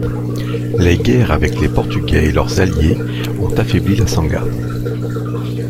Les guerres avec les Portugais et leurs alliés ont affaibli la Sangha.